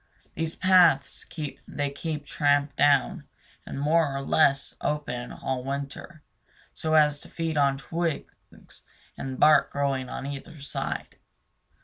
These paths they keep tramped down and more or less open all winter, so as to feed on the twigs and bark growing on either side.